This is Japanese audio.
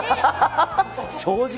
正直。